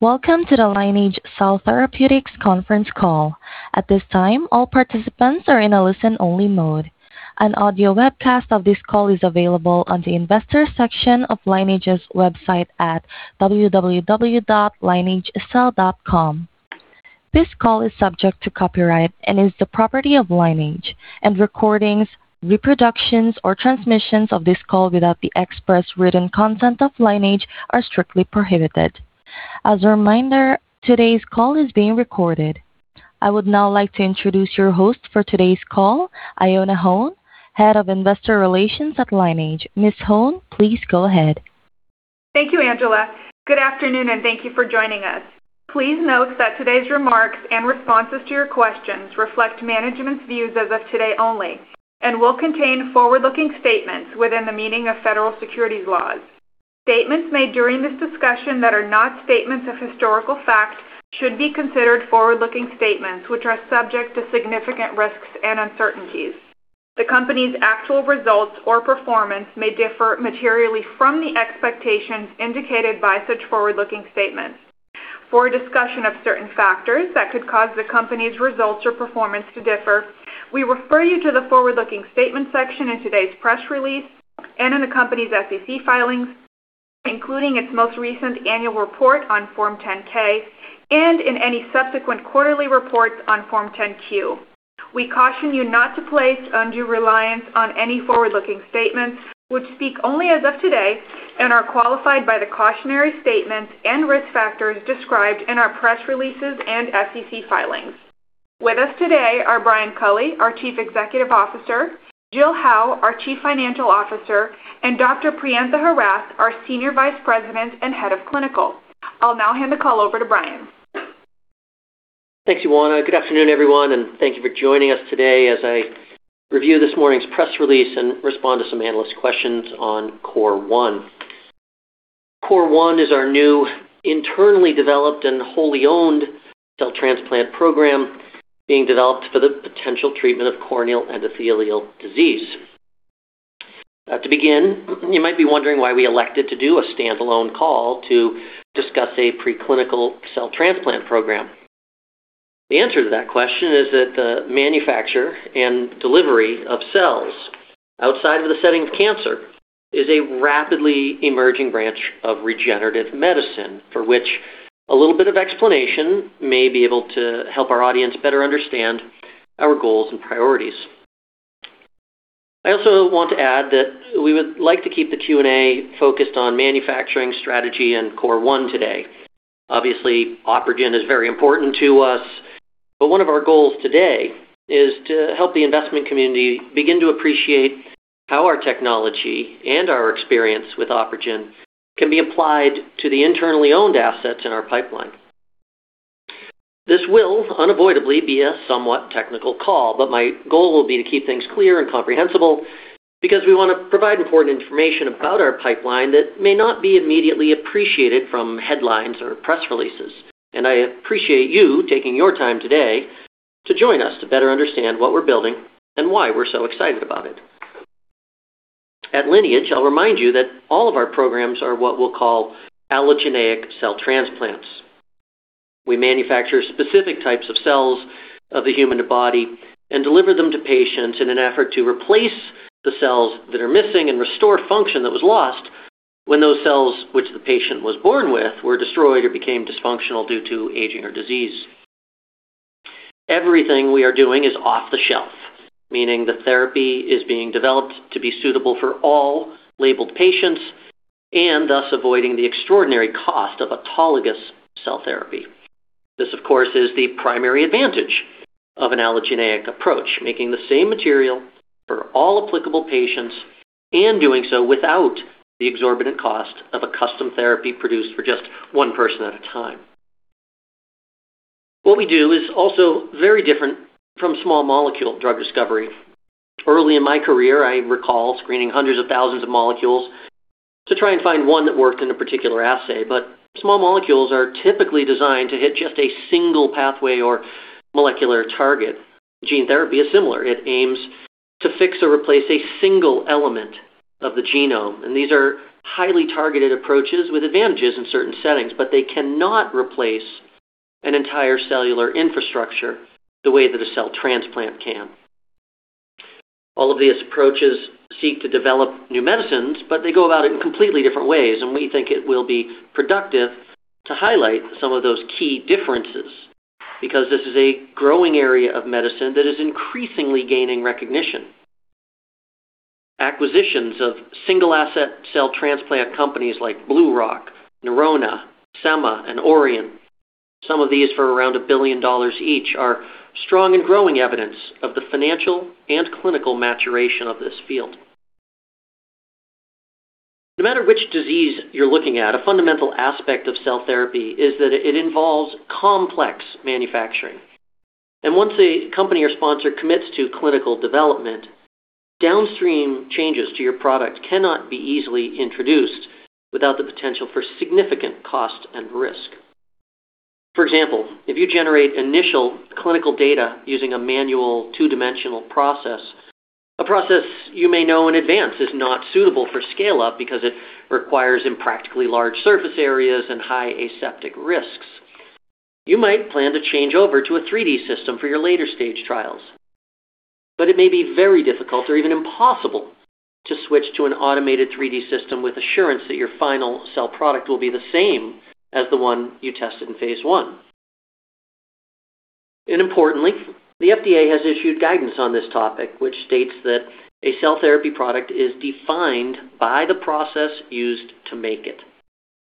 Welcome to the Lineage Cell Therapeutics conference call. At this time, all participants are in a listen-only mode. An audio webcast of this call is available on the investors section of Lineage's website at www.lineagecell.com. This call is subject to copyright and is the property of Lineage. Recordings, reproductions, or transmissions of this call without the express written consent of Lineage are strictly prohibited. As a reminder, today's call is being recorded. I would now like to introduce your host for today's call, Ioana Hone, Head of Investor Relations at Lineage. Ms. Hone, please go ahead. Thank you, Angela. Good afternoon. Thank you for joining us. Please note that today's remarks and responses to your questions reflect management's views as of today only and will contain forward-looking statements within the meaning of federal securities laws. Statements made during this discussion that are not statements of historical fact should be considered forward-looking statements, which are subject to significant risks and uncertainties. The company's actual results or performance may differ materially from the expectations indicated by such forward-looking statements. For a discussion of certain factors that could cause the company's results or performance to differ, we refer you to the forward-looking statements section in today's press release and in the company's SEC filings, including its most recent annual report on Form 10-K and in any subsequent quarterly reports on Form 10-Q. We caution you not to place undue reliance on any forward-looking statements, which speak only as of today and are qualified by the cautionary statements and risk factors described in our press releases and SEC filings. With us today are Brian Culley, our Chief Executive Officer, Jill Howe, our Chief Financial Officer, and Dr. Priyantha Herath, our Senior Vice President and Head of Clinical. I'll now hand the call over to Brian. Thank you, Ioana. Good afternoon, everyone. Thank you for joining us today as I review this morning's press release and respond to some analyst questions on COR1. COR1 is our new internally developed and wholly owned cell transplant program being developed for the potential treatment of corneal endothelial disease. To begin, you might be wondering why we elected to do a standalone call to discuss a preclinical cell transplant program. The answer to that question is that the manufacture and delivery of cells outside of the setting of cancer is a rapidly emerging branch of regenerative medicine for which a little bit of explanation may be able to help our audience better understand our goals and priorities. I also want to add that we would like to keep the Q&A focused on manufacturing strategy and COR1 today. Obviously, OpRegen is very important to us. One of our goals today is to help the investment community begin to appreciate how our technology and our experience with OpRegen can be applied to the internally owned assets in our pipeline. This will unavoidably be a somewhat technical call, but my goal will be to keep things clear and comprehensible because we want to provide important information about our pipeline that may not be immediately appreciated from headlines or press releases. I appreciate you taking your time today to join us to better understand what we're building and why we're so excited about it. At Lineage, I'll remind you that all of our programs are what we'll call allogeneic cell transplants. We manufacture specific types of cells of the human body and deliver them to patients in an effort to replace the cells that are missing and restore function that was lost when those cells which the patient was born with were destroyed or became dysfunctional due to aging or disease. Everything we are doing is off-the-shelf, meaning the therapy is being developed to be suitable for all labeled patients and thus avoiding the extraordinary cost of autologous cell therapy. This, of course, is the primary advantage of an allogeneic approach, making the same material for all applicable patients and doing so without the exorbitant cost of a custom therapy produced for just one person at a time. What we do is also very different from small molecule drug discovery. Early in my career, I recall screening hundreds of thousands of molecules to try and find one that worked in a particular assay. Small molecules are typically designed to hit just a single pathway or molecular target. Gene therapy is similar. It aims to fix or replace a single element of the genome, and these are highly targeted approaches with advantages in certain settings, but they cannot replace an entire cellular infrastructure the way that a cell transplant can. All of these approaches seek to develop new medicines, but they go about it in completely different ways, and we think it will be productive to highlight some of those key differences because this is a growing area of medicine that is increasingly gaining recognition. Acquisitions of single-asset cell transplant companies like BlueRock, Neurona, Semma, and Aurion, some of these for around $1 billion each, are strong and growing evidence of the financial and clinical maturation of this field. No matter which disease you're looking at, a fundamental aspect of cell therapy is that it involves complex manufacturing, and once a company or sponsor commits to clinical development, downstream changes to your product cannot be easily introduced without the potential for significant cost and risk. For example, if you generate initial clinical data using a manual two-dimensional process, a process you may know in advance is not suitable for scale-up because it requires impractically large surface areas and high aseptic risks, you might plan to change over to a 3D system for your later-stage trials. It may be very difficult or even impossible to switch to an automated 3D system with assurance that your final cell product will be the same as the one you tested in phase I. Importantly, the FDA has issued guidance on this topic, which states that a cell therapy product is defined by the process used to make it.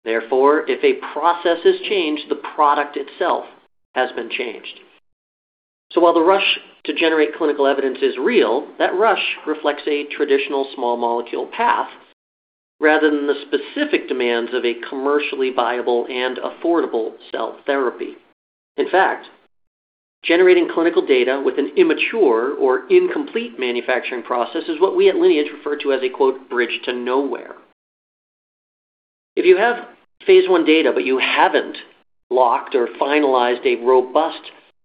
Therefore, if a process is changed, the product itself has been changed. While the rush to generate clinical evidence is real, that rush reflects a traditional small molecule path rather than the specific demands of a commercially viable and affordable cell therapy. In fact, generating clinical data with an immature or incomplete manufacturing process is what we at Lineage refer to as a, quote, bridge to nowhere. If you have phase I data, but you haven't locked or finalized a robust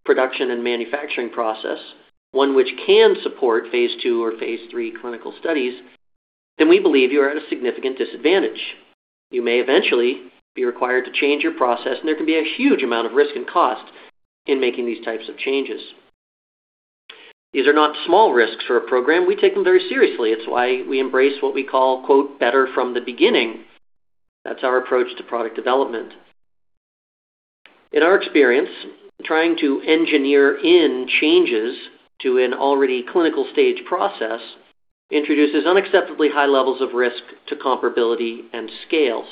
production and manufacturing process, one which can support phase II or phase III clinical studies, then we believe you are at a significant disadvantage. You may eventually be required to change your process, there can be a huge amount of risk and cost in making these types of changes. These are not small risks for a program. We take them very seriously. It's why we embrace what we call, quote, better from the beginning. That's our approach to product development. In our experience, trying to engineer in changes to an already clinical stage process introduces unacceptably high levels of risk to comparability and scale.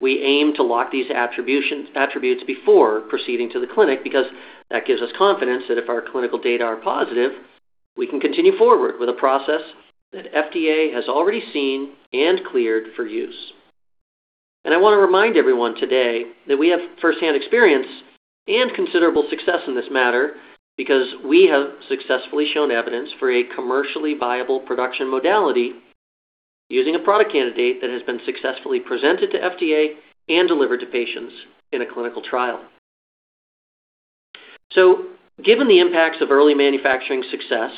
We aim to lock these attributes before proceeding to the clinic because that gives us confidence that if our clinical data are positive, we can continue forward with a process that FDA has already seen and cleared for use. I want to remind everyone today that we have firsthand experience and considerable success in this matter because we have successfully shown evidence for a commercially viable production modality using a product candidate that has been successfully presented to FDA and delivered to patients in a clinical trial. Given the impacts of early manufacturing success,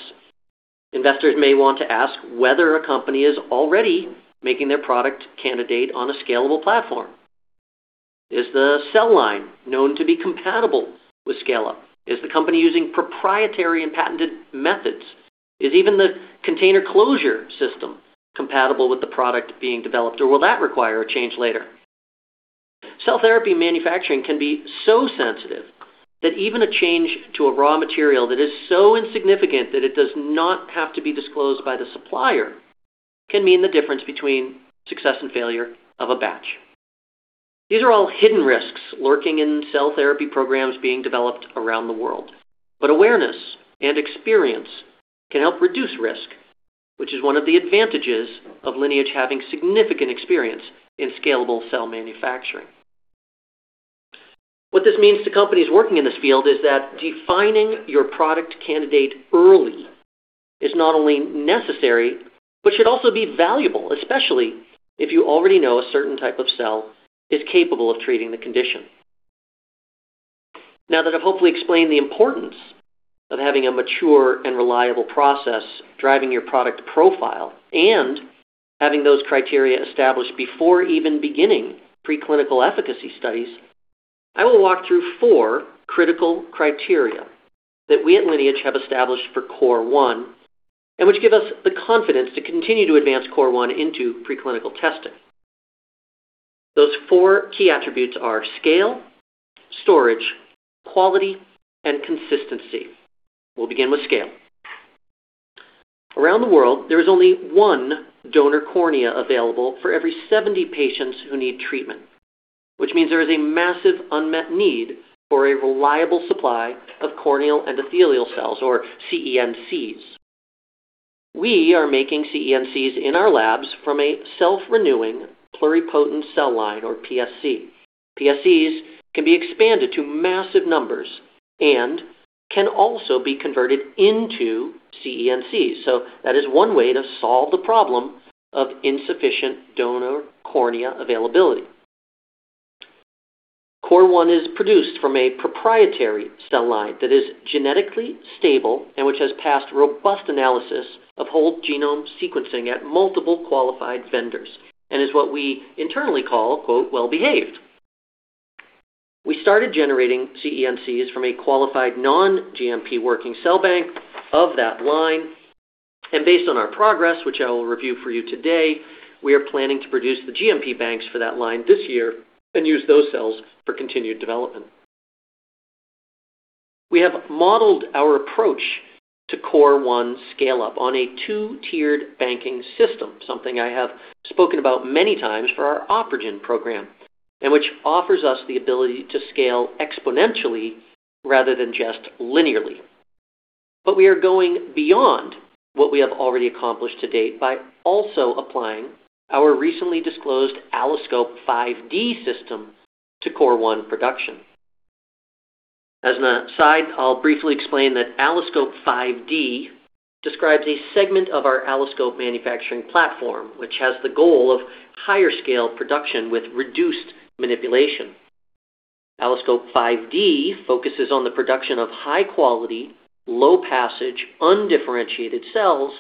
investors may want to ask whether a company is already making their product candidate on a scalable platform. Is the cell line known to be compatible with scale-up? Is the company using proprietary and patented methods? Is even the container closure system compatible with the product being developed, or will that require a change later? Cell therapy manufacturing can be so sensitive that even a change to a raw material that is so insignificant that it does not have to be disclosed by the supplier can mean the difference between success and failure of a batch. These are all hidden risks lurking in cell therapy programs being developed around the world. Awareness and experience can help reduce risk, which is one of the advantages of Lineage having significant experience in scalable cell manufacturing. What this means to companies working in this field is that defining your product candidate early is not only necessary but should also be valuable, especially if you already know a certain type of cell is capable of treating the condition. Now that I've hopefully explained the importance of having a mature and reliable process driving your product profile and having those criteria established before even beginning preclinical efficacy studies, I will walk through four critical criteria that we at Lineage have established for COR1 and which give us the confidence to continue to advance COR1 into preclinical testing. Those four key attributes are scale, storage, quality, and consistency. We'll begin with scale. Around the world, there is only one donor cornea available for every 70 patients who need treatment, which means there is a massive unmet need for a reliable supply of corneal endothelial cells or CEnCs. We are making CEnCs in our labs from a self-renewing pluripotent cell line or PSC. PSCs can be expanded to massive numbers and can also be converted into CEnCs. That is one way to solve the problem of insufficient donor cornea availability. COR1 is produced from a proprietary cell line that is genetically stable and which has passed robust analysis of whole genome sequencing at multiple qualified vendors, and is what we internally call, quote, well-behaved. We started generating CEnCs from a qualified non-GMP working cell bank of that line, and based on our progress, which I will review for you today, we are planning to produce the GMP banks for that line this year and use those cells for continued development. We have modeled our approach to COR1 scale-up on a two-tiered banking system, something I have spoken about many times for our OpRegen program, and which offers us the ability to scale exponentially rather than just linearly. We are going beyond what we have already accomplished to date by also applying our recently disclosed AlloSCOPE 5D system to COR1 production. As an aside, I'll briefly explain that AlloSCOPE 5D describes a segment of our AlloSCOPE manufacturing platform, which has the goal of higher scale production with reduced manipulation. AlloSCOPE 5D focuses on the production of high-quality, low-passage, undifferentiated cells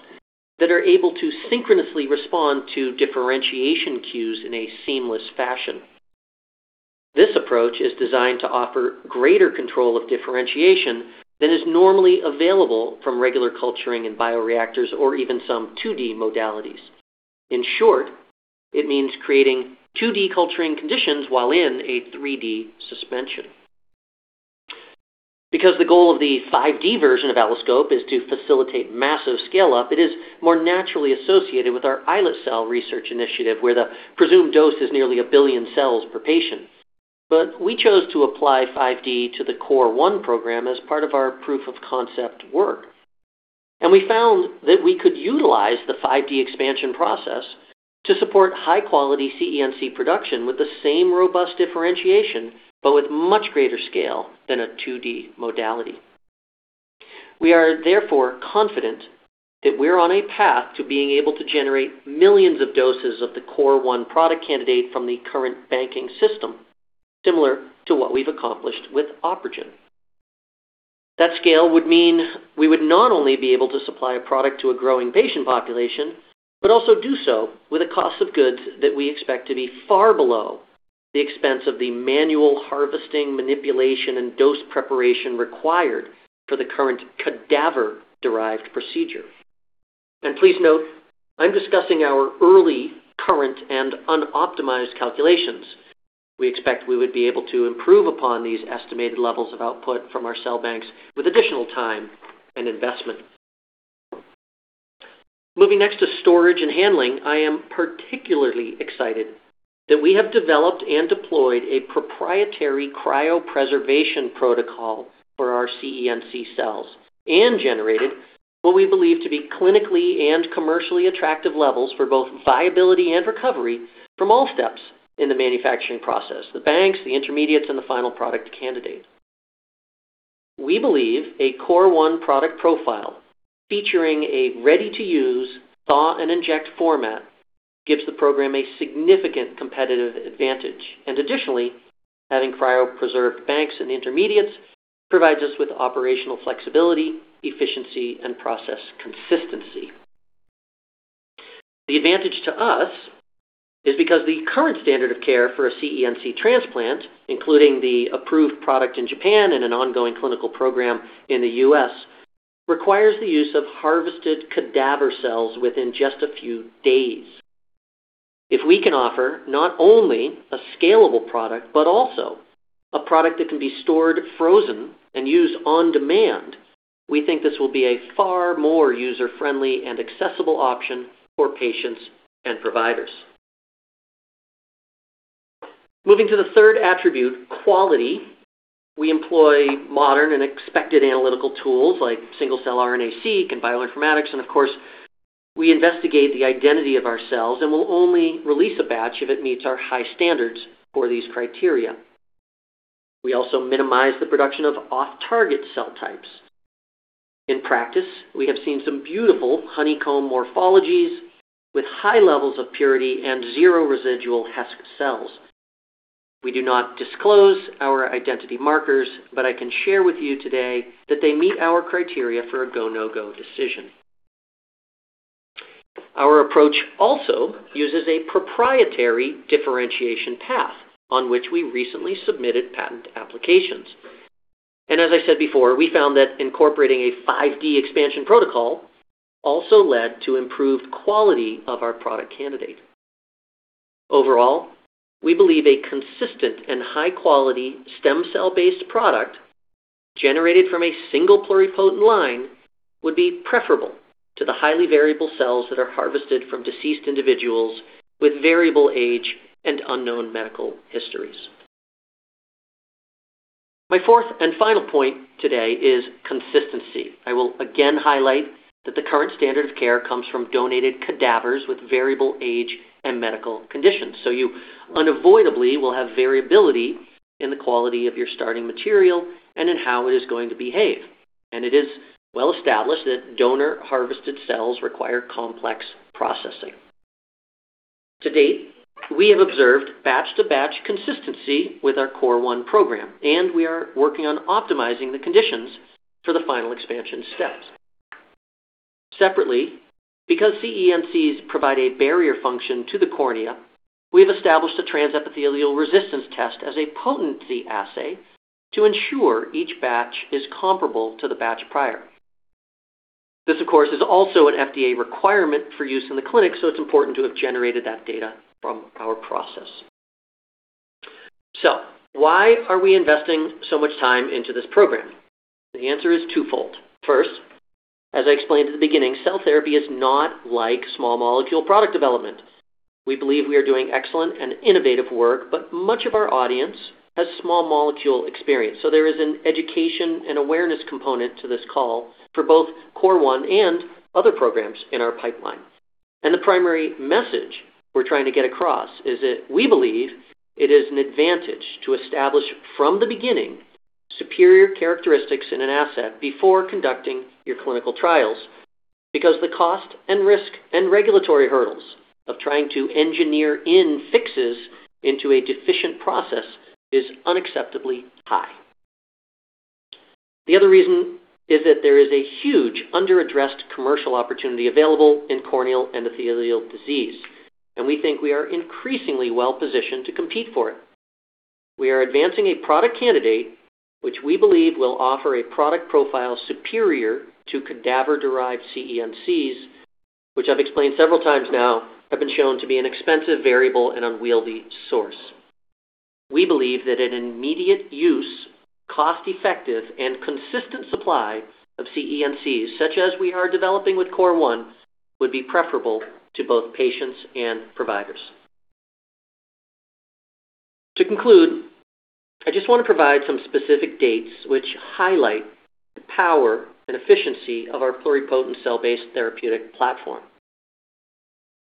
that are able to synchronously respond to differentiation cues in a seamless fashion. This approach is designed to offer greater control of differentiation than is normally available from regular culturing in bioreactors or even some 2D modalities. In short, it means creating 2D culturing conditions while in a 3D suspension. Because the goal of the 5D version of AlloSCOPE is to facilitate massive scale-up, it is more naturally associated with our islet cell research initiative, where the presumed dose is nearly a billion cells per patient. We chose to apply 5D to the COR1 program as part of our proof of concept work. We found that we could utilize the 5D expansion process to support high-quality CEnC production with the same robust differentiation, but with much greater scale than a 2D modality. We are therefore confident that we're on a path to being able to generate millions of doses of the COR1 product candidate from the current banking system, similar to what we've accomplished with OpRegen. That scale would mean we would not only be able to supply a product to a growing patient population, but also do so with a cost of goods that we expect to be far below the expense of the manual harvesting, manipulation, and dose preparation required for the current cadaver-derived procedure. Please note, I'm discussing our early, current, and unoptimized calculations. We expect we would be able to improve upon these estimated levels of output from our cell banks with additional time and investment. Moving next to storage and handling, I am particularly excited that we have developed and deployed a proprietary cryopreservation protocol for our CEnC cells and generated what we believe to be clinically and commercially attractive levels for both viability and recovery from all steps in the manufacturing process, the banks, the intermediates, and the final product candidate. We believe a COR1 product profile featuring a ready-to-use Thaw and Inject format gives the program a significant competitive advantage. Additionally, having cryopreserved banks and intermediates provides us with operational flexibility, efficiency, and process consistency. The advantage to us is because the current standard of care for a CEnC transplant, including the approved product in Japan and an ongoing clinical program in the U.S., requires the use of harvested cadaver cells within just a few days. If we can offer not only a scalable product, but also a product that can be stored frozen and used on demand, we think this will be a far more user-friendly and accessible option for patients and providers. Moving to the third attribute, quality, we employ modern and expected analytical tools like single-cell RNA-seq and bioinformatics, and of course, we investigate the identity of our cells and will only release a batch if it meets our high standards for these criteria. We also minimize the production of off-target cell types. In practice, we have seen some beautiful honeycomb morphologies with high levels of purity and zero residual HESC cells. We do not disclose our identity markers, but I can share with you today that they meet our criteria for a go, no-go decision. Our approach also uses a proprietary differentiation path on which we recently submitted patent applications. As I said before, we found that incorporating a 5D expansion protocol also led to improved quality of our product candidate. Overall, we believe a consistent and high-quality stem cell-based product generated from a single pluripotent line would be preferable to the highly variable cells that are harvested from deceased individuals with variable age and unknown medical histories. My fourth and final point today is consistency. I will again highlight that the current standard of care comes from donated cadavers with variable age and medical conditions, so you unavoidably will have variability in the quality of your starting material and in how it is going to behave. It is well established that donor-harvested cells require complex processing. To date, we have observed batch-to-batch consistency with our COR1 program, and we are working on optimizing the conditions for the final expansion steps. Separately, because CEnCs provide a barrier function to the cornea, we have established a transepithelial resistance test as a potency assay to ensure each batch is comparable to the batch prior. This, of course, is also an FDA requirement for use in the clinic, so it's important to have generated that data from our process. Why are we investing so much time into this program? The answer is twofold. First, as I explained at the beginning, cell therapy is not like small molecule product development. We believe we are doing excellent and innovative work, but much of our audience has small molecule experience, so there is an education and awareness component to this call for both COR1 and other programs in our pipeline. The primary message we're trying to get across is that we believe it is an advantage to establish, from the beginning, superior characteristics in an asset before conducting your clinical trials, because the cost and risk and regulatory hurdles of trying to engineer in fixes into a deficient process is unacceptably high. The other reason is that there is a huge under-addressed commercial opportunity available in corneal endothelial disease, and we think we are increasingly well-positioned to compete for it. We are advancing a product candidate which we believe will offer a product profile superior to cadaver-derived CEnCs, which I've explained several times now have been shown to be an expensive, variable, and unwieldy source. We believe that an immediate-use, cost-effective, and consistent supply of CEnCs, such as we are developing with COR1, would be preferable to both patients and providers. To conclude, I just want to provide some specific dates which highlight the power and efficiency of our pluripotent cell-based therapeutic platform.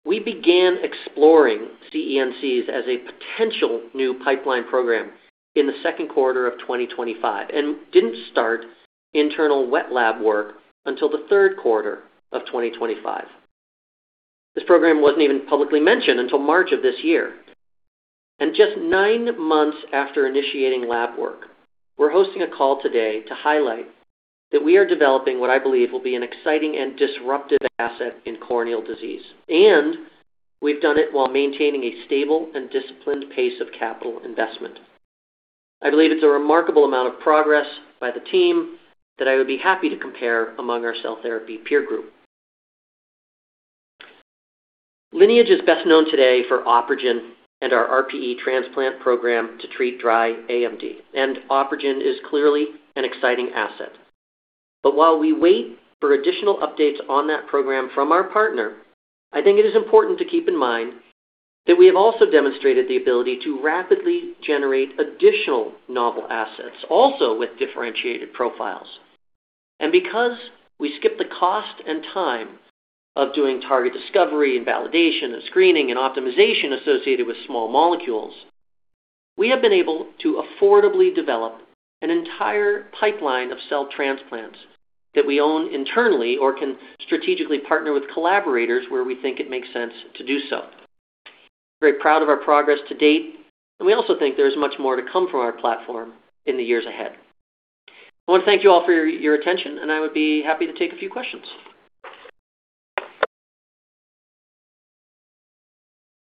We began exploring CEnCs as a potential new pipeline program in the second quarter of 2025 and didn't start internal wet lab work until the third quarter of 2025. This program wasn't even publicly mentioned until March of this year. Just nine months after initiating lab work, we're hosting a call today to highlight that we are developing what I believe will be an exciting and disruptive asset in corneal disease, and we've done it while maintaining a stable and disciplined pace of capital investment. I believe it's a remarkable amount of progress by the team that I would be happy to compare among our cell therapy peer group. Lineage is best known today for OpRegen and our RPE transplant program to treat dry AMD, and OpRegen is clearly an exciting asset. While we wait for additional updates on that program from our partner, I think it is important to keep in mind that we have also demonstrated the ability to rapidly generate additional novel assets, also with differentiated profiles. Because we skip the cost and time of doing target discovery and validation and screening and optimization associated with small molecules, we have been able to affordably develop an entire pipeline of cell transplants that we own internally or can strategically partner with collaborators where we think it makes sense to do so. Very proud of our progress to date, and we also think there's much more to come from our platform in the years ahead. I want to thank you all for your attention, I would be happy to take a few questions.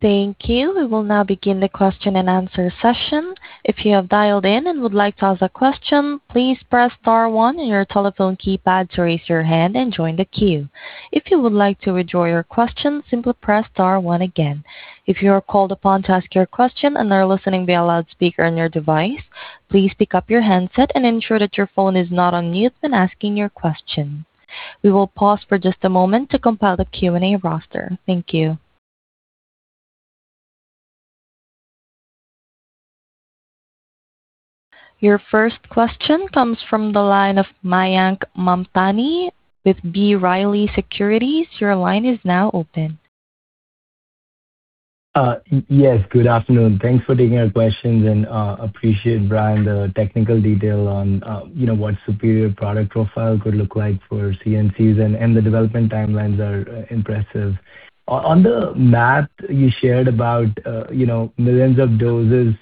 Thank you. We will now begin the question-and-answer session. If you have dialed in and would like to ask a question, please press star one on your telephone keypad to raise your hand and join the queue. If you would like to withdraw your question, simply press star one again. If you are called upon to ask your question and are listening via loudspeaker on your device, please pick up your handset and ensure that your phone is not on mute when asking your question. We will pause for just a moment to compile the Q&A roster. Thank you. Your first question comes from the line of Mayank Mamtani with B. Riley Securities. Your line is now open. Yes, good afternoon. Thanks for taking our questions and appreciate, Brian, the technical detail on what superior product profile could look like for CEnCs, and the development timelines are impressive. On the math you shared about millions of doses,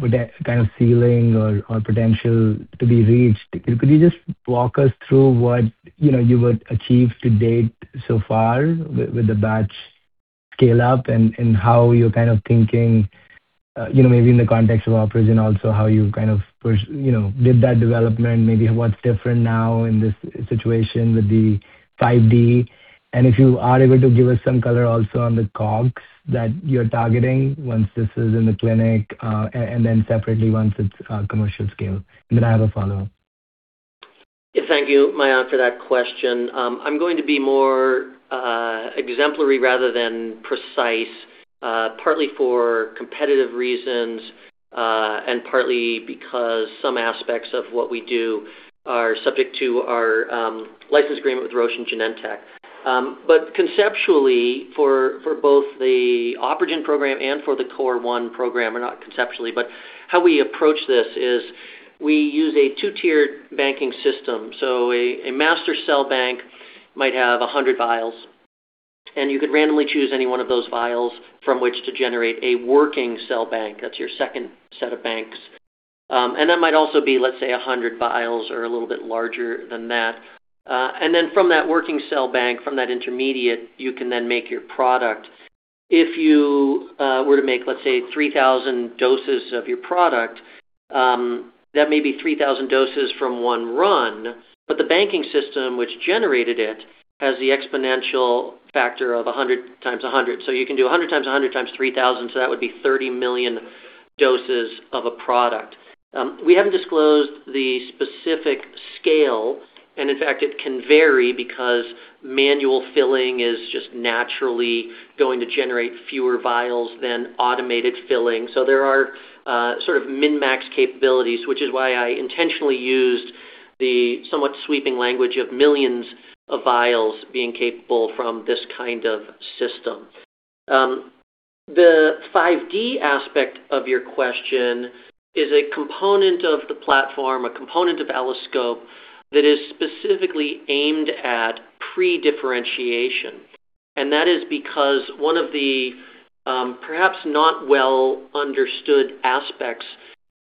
would that kind of ceiling or potential to be reached, could you just walk us through what you would achieve to date so far with the batch scale-up and how you're thinking, maybe in the context of OpRegen also, how you did that development, maybe what's different now in this situation with the 5D? If you are able to give us some color also on the COGS that you're targeting once this is in the clinic, and then separately once it's commercial scale. I have a follow-up. Thank you, Mayank, for that question. I'm going to be more exemplary rather than precise, partly for competitive reasons and partly because some aspects of what we do are subject to our license agreement with Roche and Genentech. Conceptually, for both the OpRegen program and for the COR1 program, or not conceptually, but how we approach this is we use a two-tiered banking system. So a master cell bank might have 100 vials, and you could randomly choose any one of those vials from which to generate a working cell bank. That's your second set of banks. That might also be, let's say, 100 vials or a little bit larger than that. From that working cell bank, from that intermediate, you can then make your product. If you were to make, let's say, 3,000 doses of your product, that may be 3,000 doses from one run, but the banking system which generated it has the exponential factor of 100 times 100. You can do 100 times 100 times 3,000, that would be 30 million doses of a product. We haven't disclosed the specific scale, and in fact, it can vary because manual filling is just naturally going to generate fewer vials than automated filling. There are sort of min-max capabilities, which is why I intentionally used the somewhat sweeping language of millions of vials being capable from this kind of system. The 5D aspect of your question is a component of the platform, a component of AlloSCOPE that is specifically aimed at pre-differentiation. That is because one of the perhaps not well-understood aspects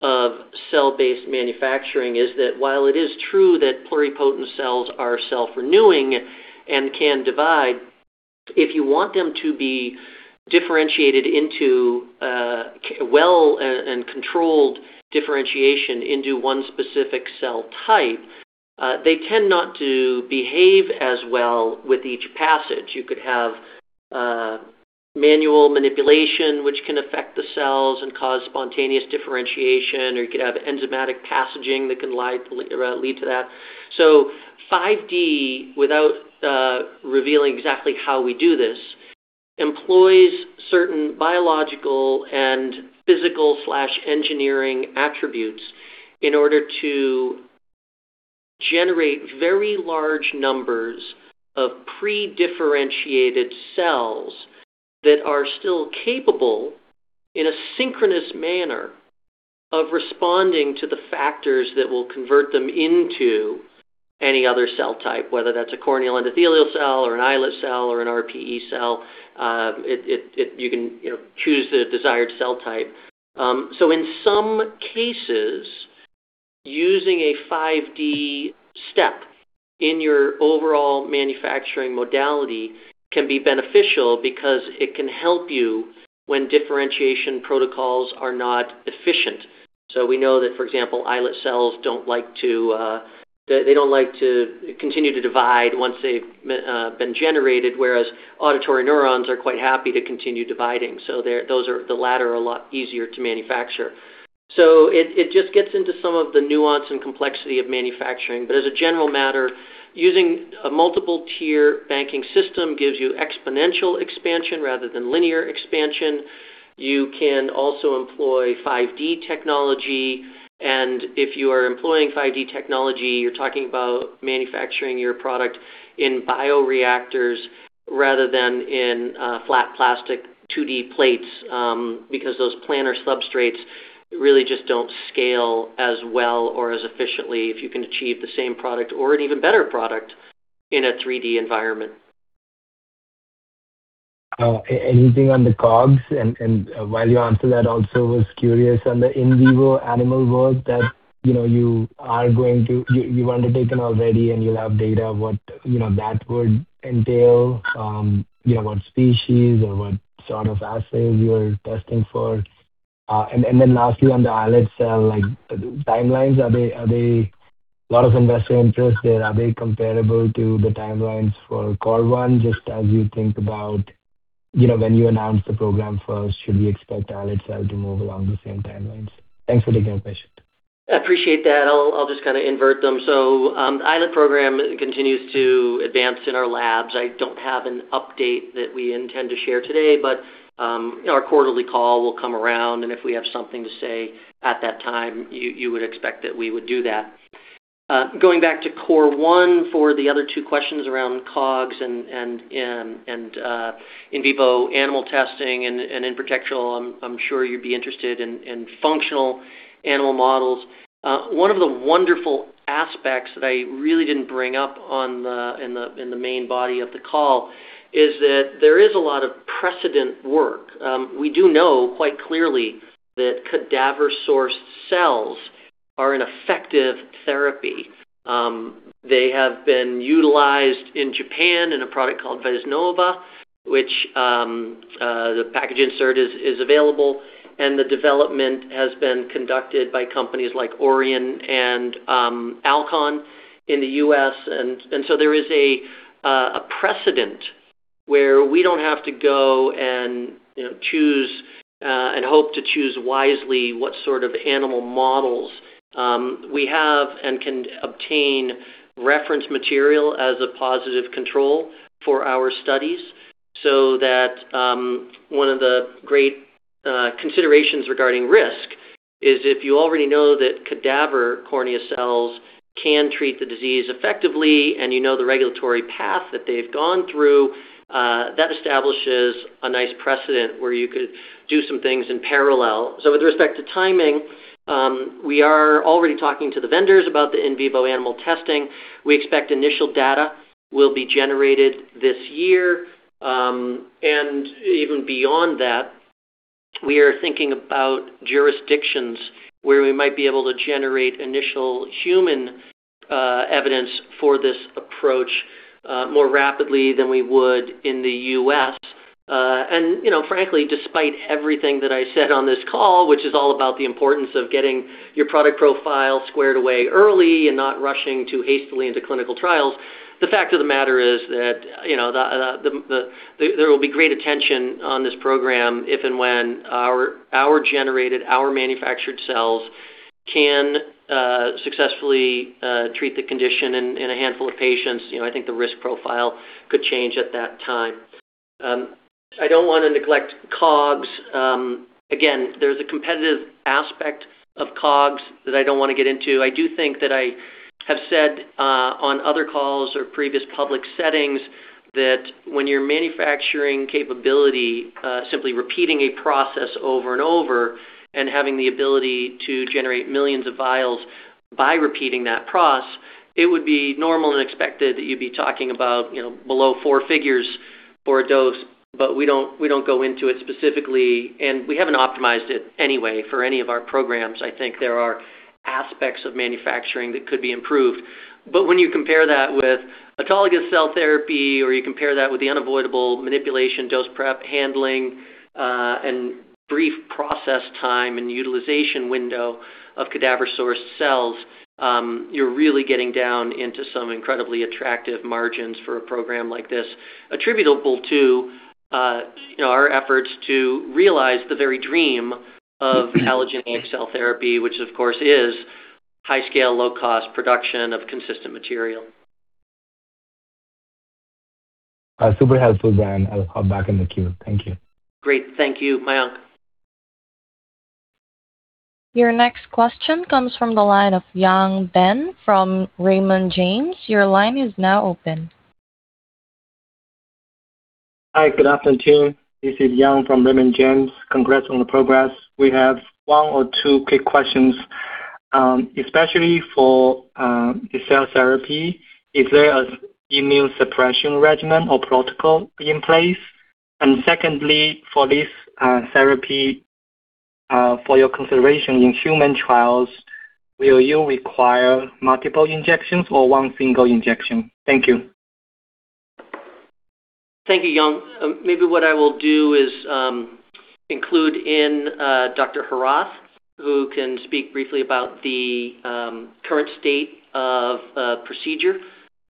of cell-based manufacturing is that while it is true that pluripotent cells are self-renewing and can divide, if you want them to be differentiated into a well and controlled differentiation into one specific cell type, they tend not to behave as well with each passage. You could have manual manipulation, which can affect the cells and cause spontaneous differentiation, or you could have enzymatic passaging that can lead to that. 5D, without revealing exactly how we do this, employs certain biological and physical/engineering attributes in order to generate very large numbers of pre-differentiated cells that are still capable in a synchronous manner of responding to the factors that will convert them into any other cell type, whether that's a corneal endothelial cell or an islet cell or an RPE cell. You can choose the desired cell type. In some cases, using a 5D step in your overall manufacturing modality can be beneficial because it can help you when differentiation protocols are not efficient. We know that, for example, islet cells don't like to continue to divide once they've been generated, whereas auditory neurons are quite happy to continue dividing. The latter are a lot easier to manufacture. It just gets into some of the nuance and complexity of manufacturing. As a general matter, using a multiple-tier banking system gives you exponential expansion rather than linear expansion. You can also employ 5D technology, and if you are employing 5D technology, you're talking about manufacturing your product in bioreactors rather than in flat plastic 2D plates because those planar substrates really just don't scale as well or as efficiently if you can achieve the same product or an even better product in a 3D environment. Anything on the COGS? While you answer that, also was curious on the in vivo animal work that you've undertaken already, and you'll have data, what that would entail, what species or what sort of assay you are testing for. Then lastly on the islet cell timelines, a lot of investor interest there. Are they comparable to the timelines for COR1? Just as you think about when you announce the program first, should we expect islet cell to move along the same timelines? Thanks for the question. I appreciate that. I'll just kind of invert them. The islet program continues to advance in our labs. I don't have an update that we intend to share today, but our quarterly call will come around, and if we have something to say at that time, you would expect that we would do that. Going back to COR1 for the other two questions around COGS and in vivo animal testing, and in particular, I'm sure you'd be interested in functional animal models. One of the wonderful aspects that I really didn't bring up in the main body of the call is that there is a lot of precedent work. We do know quite clearly that cadaver-sourced cells are an effective therapy. They have been utilized in Japan in a product called Vyznova, which the package insert is available, and the development has been conducted by companies like Aurion and Alcon in the U.S. There is a precedent where we don't have to go and hope to choose wisely what sort of animal models. We have and can obtain reference material as a positive control for our studies. That one of the great considerations regarding risk is if you already know that cadaver cornea cells can treat the disease effectively and you know the regulatory path that they've gone through, that establishes a nice precedent where you could do some things in parallel. With respect to timing, we are already talking to the vendors about the in vivo animal testing. We expect initial data will be generated this year. Even beyond that, we are thinking about jurisdictions where we might be able to generate initial human evidence for this approach more rapidly than we would in the U.S. Frankly, despite everything that I said on this call, which is all about the importance of getting your product profile squared away early and not rushing too hastily into clinical trials, the fact of the matter is that there will be great attention on this program if and when our manufactured cells can successfully treat the condition in a handful of patients. I think the risk profile could change at that time. I don't want to neglect COGS. Again, there's a competitive aspect of COGS that I don't want to get into. I do think that I have said on other calls or previous public settings that when your manufacturing capability, simply repeating a process over and over and having the ability to generate millions of vials by repeating that process, it would be normal and expected that you'd be talking about below four figures for a dose. We don't go into it specifically, and we haven't optimized it anyway for any of our programs. I think there are aspects of manufacturing that could be improved. When you compare that with autologous cell therapy, or you compare that with the unavoidable manipulation, dose prep, handling, and brief process time, and utilization window of cadaver-sourced cells, you're really getting down into some incredibly attractive margins for a program like this. Attributable to our efforts to realize the very dream of allogeneic cell therapy, which, of course, is high-scale, low-cost production of consistent material. Super helpful, Brian. I'll hop back in the queue. Thank you. Great. Thank you, Mayank. Your next question comes from the line of [Yang Teng] from Raymond James. Your line is now open. Hi, good afternoon. This is [Yang] from Raymond James. Congrats on the progress. We have one or two quick questions. Especially for the cell therapy, is there an immunosuppression regimen or protocol in place? Secondly, for this therapy, for your consideration in human trials, will you require multiple injections or one single injection? Thank you. Thank you, [Yang]. Maybe what I will do is include in Dr. Herath, who can speak briefly about the current state of procedure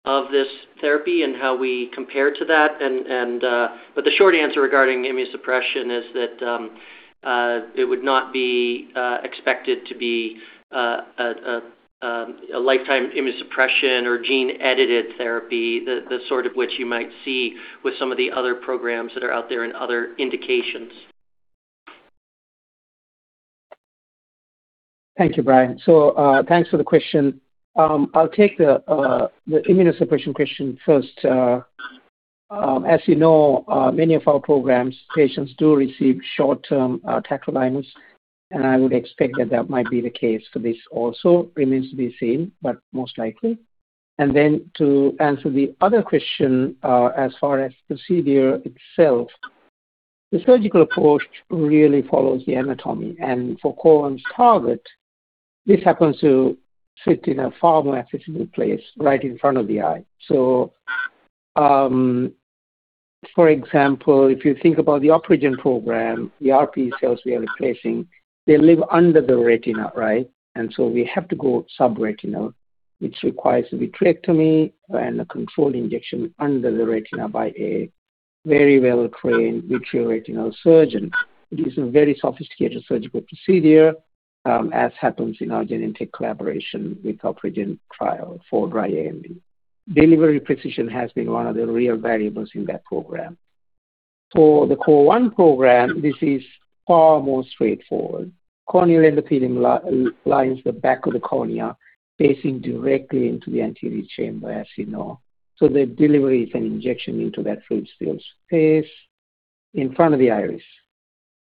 of this therapy and how we compare to that. The short answer regarding immunosuppression is that it would not be expected to be a lifetime immunosuppression or gene-edited therapy, the sort of which you might see with some of the other programs that are out there in other indications. Thank you, Brian. Thanks for the question. I'll take the immunosuppression question first. As you know, many of our programs, patients do receive short-term tacrolimus, and I would expect that that might be the case for this also. Remains to be seen, but most likely. Then to answer the other question, as far as procedure itself, the surgical approach really follows the anatomy. For COR1's target, this happens to sit in a far more accessible place right in front of the eye. For example, if you think about the OpRegen program, the RPE cells we are replacing, they live under the retina. So we have to go subretinal, which requires a vitrectomy and a controlled injection under the retina by a very well-trained vitreoretinal surgeon. It is a very sophisticated surgical procedure, as happens in our Genentech collaboration with OpRegen trial for dry AMD. Delivery precision has been one of the real variables in that program. For the COR1 program, this is far more straightforward. Corneal endothelium lines the back of the cornea, facing directly into the anterior chamber, as you know. The delivery is an injection into that fluid-filled space in front of the iris.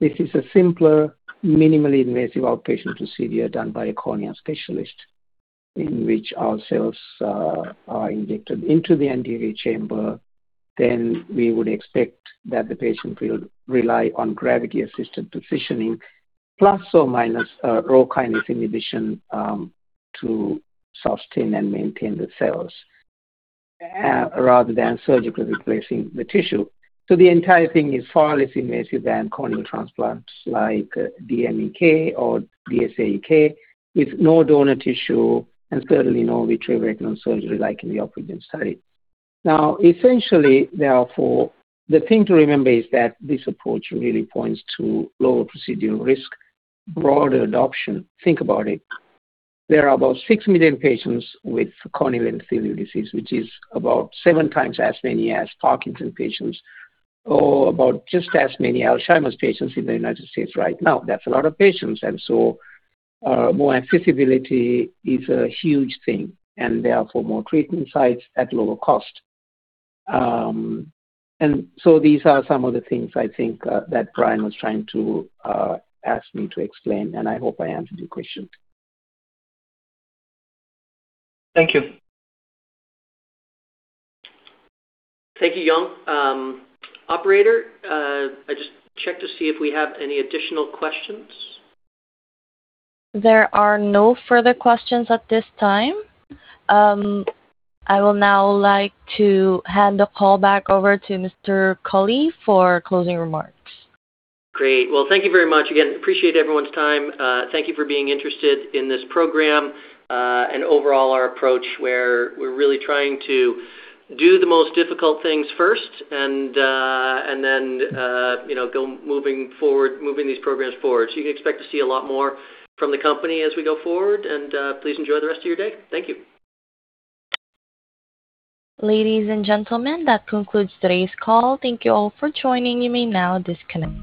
This is a simpler, minimally invasive outpatient procedure done by a cornea specialist in which our cells are injected into the anterior chamber. We would expect that the patient will rely on gravity-assisted positioning, plus or minus rho kinase inhibition to sustain and maintain the cells rather than surgically replacing the tissue. The entire thing is far less invasive than corneal transplants like DMEK or DSAEK, with no donor tissue and certainly no vitreoretinal surgery like in the OpRegen study. Now, essentially, therefore, the thing to remember is that this approach really points to lower procedural risk, broader adoption. Think about it. There are about 6 million patients with corneal endothelial disease, which is about seven times as many as Parkinson's disease patients, or about just as many Alzheimer's disease patients in the United States right now. That's a lot of patients. More accessibility is a huge thing, and therefore, more treatment sites at lower cost. These are some of the things I think that Brian was trying to ask me to explain, and I hope I answered your question. Thank you. Thank you, [Yang]. Operator, just check to see if we have any additional questions. There are no further questions at this time. I will now like to hand the call back over to Mr. Culley for closing remarks. Great. Well, thank you very much. Again, appreciate everyone's time. Thank you for being interested in this program and overall our approach, where we're really trying to do the most difficult things first and then go moving these programs forward. You can expect to see a lot more from the company as we go forward, and please enjoy the rest of your day. Thank you. Ladies and gentlemen, that concludes today's call. Thank you all for joining. You may now disconnect.